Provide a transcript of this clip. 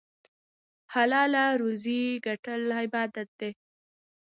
حلاله روزي ګټل عبادت دی.